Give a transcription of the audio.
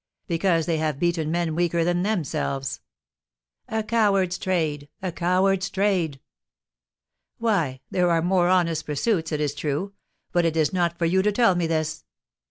"Because they have beaten men weaker than themselves." "A coward's trade, a coward's trade!" "Why, there are more honest pursuits, it is true. But it is not for you to tell me this!"